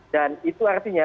dan itu artinya